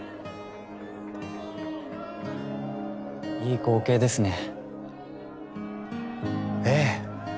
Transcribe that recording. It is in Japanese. いい光景ですねええ